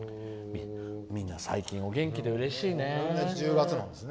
みんな最近お元気でうれしいね。